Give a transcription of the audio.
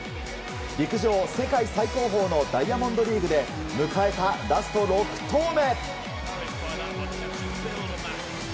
陸上世界最高峰のダイヤモンドリーグで迎えた、ラスト６投目。